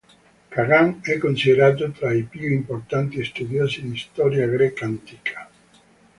Kagan è considerato tra i più importanti studiosi di storia greca antica.